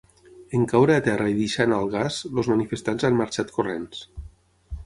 En caure a terra i deixar anar el gas, els manifestants han marxat corrents.